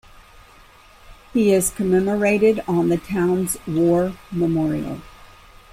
He is commemorated on the town's war memorial.